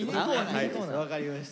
はい分かりました。